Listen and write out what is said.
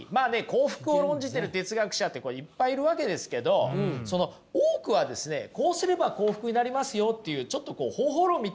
幸福を論じてる哲学者ってこれいっぱいいるわけですけどその多くはですねこうすれば幸福になりますよっていうちょっとこう方法論みたいなものばかりなんですよね。